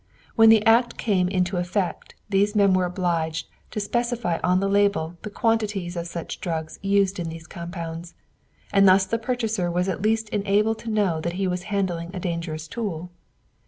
When that act came into effect, these men were obliged to specify on the label the quantities of such drugs used in these compounds, and thus the purchaser was at least enabled to know that he was handling a dangerous tool.